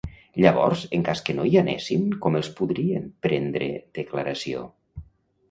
Llavors, en cas que no hi anessin, com els podrien prendre declaració?